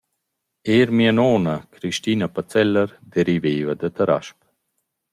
Eir mia nona Cristina Pazeller derivaiva da Tarasp.